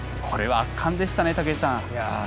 これは圧巻でしたね、武井さん。